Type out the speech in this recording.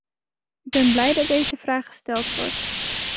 Ik ben blij dat deze vraag gesteld wordt.